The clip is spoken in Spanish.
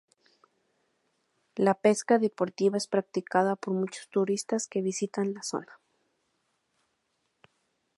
La pesca deportiva es practicada por muchos turistas que visitan la zona.